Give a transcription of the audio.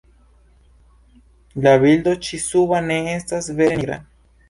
La bildo ĉi suba ne estas vere nigra.